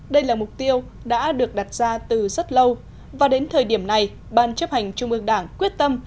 đây là mục tiêu đã được đặt ra từ rất lâu và đến thời điểm này ban chấp hành trung ương đảng quyết tâm